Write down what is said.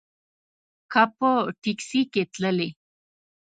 که په ټیکسي کې تللې.